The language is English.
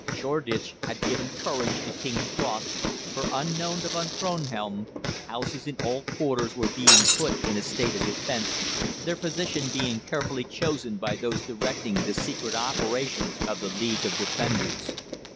Shoreditch had given courage to King's Cross, for, unknown to Von Kronhelm, houses in all quarters were being put in a state of defence, their position being carefully chosen by those directing the secret operations of the League of Defenders.